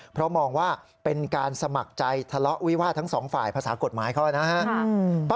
เพราะมองว่าเป็นการสมัครใจทะเลาะวิวาสทั้งสองฝ่ายภาษากฎหมายเขานะครับ